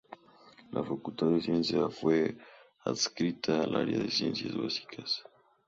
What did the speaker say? La Facultad de Ciencias fue adscrita al área de Ciencias Básicas.